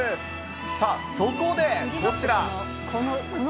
さあ、そこでこちら。